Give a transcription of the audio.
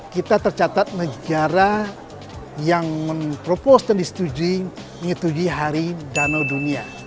kita tercatat negara yang mempropos dan disetujui menyetujui hari danau dunia